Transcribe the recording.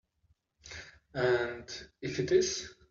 And if it is?